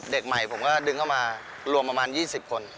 เด็กใหม่ผมก็ดึงเข้ามารวมประมาณ๒๐คน